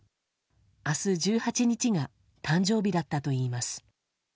明日１８日が誕生日だったといいます。